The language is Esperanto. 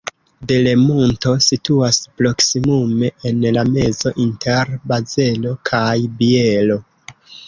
Delemonto situas proksimume en la mezo inter Bazelo kaj Bielo.